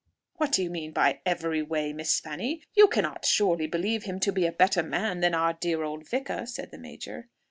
"What do you mean by every way, Miss Fanny? you cannot surely believe him to be a better man than our dear old vicar?" said the major.